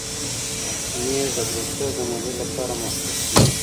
مېز د دفتر د مدیر لپاره مخصوص وي.